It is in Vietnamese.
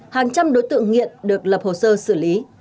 hàng trăm đối tượng nghiện được lập hồ sơ xử lý